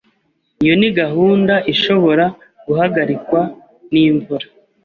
Iyo ni gahunda ishobora guhagarikwa n'imvura.